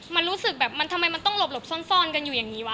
มันรู้สึกแบบมันทำไมมันต้องหลบซ่อนกันอยู่อย่างนี้วะ